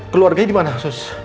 keluarganya dimana sus